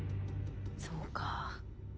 そうか。